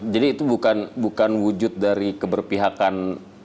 jadi itu bukan wujud dari keberpihakan